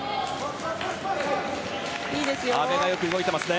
阿部がよく動いてますね。